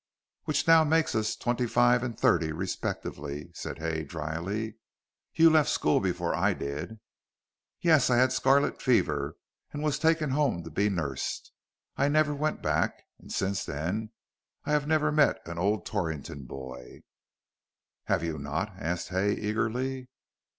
"Which now makes us twenty five and thirty respectively," said Hay, dryly; "you left school before I did." "Yes; I had scarlet fever, and was taken home to be nursed. I never went back, and since then I have never met an old Torrington boy " "Have you not?" asked Hay, eagerly.